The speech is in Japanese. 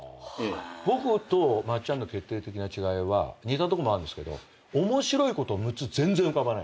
僕と松ちゃんの決定的な違いは似たとこもあるんですけど面白いこと６つ全然浮かばない。